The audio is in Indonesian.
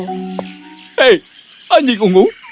hei anjing ungu